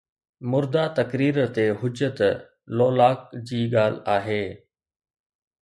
مرده تقرير تي حجت، لولاک جي ڳالهه آهي